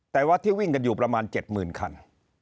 แต่ว่าที่วิ่งกันอยู่ประมาณ๗๐๐คัน